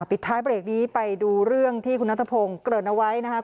ปิดท้ายเบรกนี้ไปดูเรื่องที่คุณนัทพงศ์เกริ่นเอาไว้นะครับ